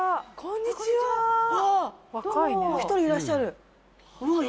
もう一人いらっしゃる。